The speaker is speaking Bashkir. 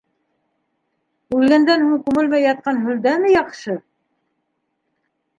Үлгәндән һуң күмелмәй ятҡан һөлдәме яҡшы?